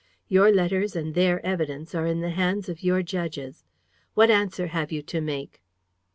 Your letters and their evidence are in the hands of your judges. What answer have you to make?"